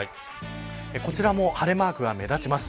こちらも晴れマークが目立ちます。